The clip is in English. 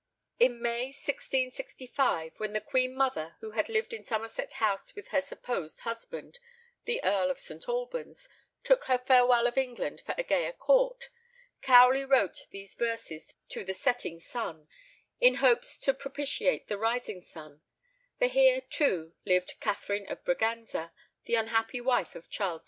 In May 1665, when the queen mother, who had lived in Somerset House with her supposed husband, the Earl of St. Albans, took her farewell of England for a gayer court, Cowley wrote these verses to the setting sun, in hopes to propitiate the rising sun; for here, too, lived Catherine of Braganza, the unhappy wife of Charles II.